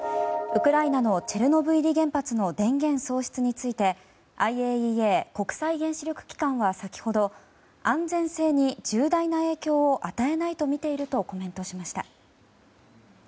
ウクライナのチェルノブイリ原発の電源喪失についてＩＡＥＡ・国際原子力機関は先ほど安全性に重大な影響を与えないとみているとコメントしました。